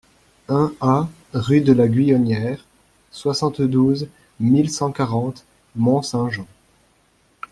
un A rue de la Guyonnière, soixante-douze mille cent quarante Mont-Saint-Jean